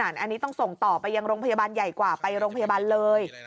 อันนี้ต้องส่งต่อไปยังโรงพยาบาลใหญ่กว่าไปโรงพยาบาลเลย